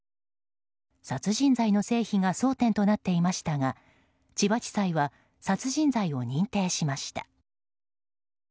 殺人罪の成否が争点となっていましたが千葉地裁は殺人罪を認定しました。